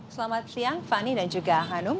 selamat siang fani dan juga hanum